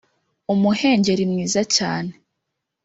umuhengeri mwiza cyane